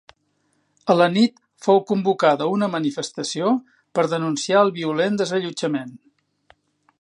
A la nit, fou convocada una manifestació per denunciar el violent desallotjament.